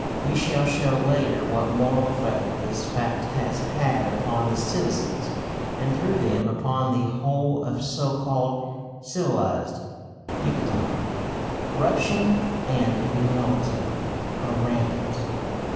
We shall show later what moral effect this fact has had upon the citizens, and through them upon the whole of so called civilised Yucatan. Corruption and venality are rampant.